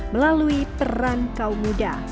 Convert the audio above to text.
melalui peran kaum muda